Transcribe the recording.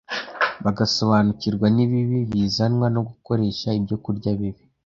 bagasobanukirwa n’ibibi bizanwa no gukoresha ibyokurya bibi,